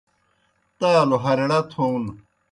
تالوْ ہریڑہ تھون